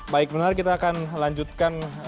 baik benar kita akan lanjutkan